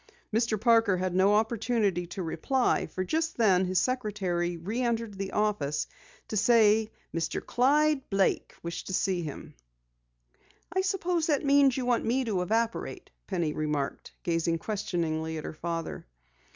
Mr. Parker had no opportunity to reply, for just then his secretary re entered the office to say that Mr. Clyde Blake wished to see him. "I suppose that means you want me to evaporate," Penny remarked, gazing questioningly at her father.